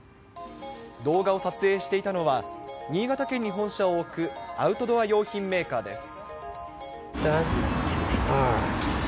動画を撮影していたのは、新潟県に本社を置くアウトドア用品メーカーです。